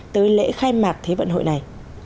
tới lễ khai mạc thế vận hội này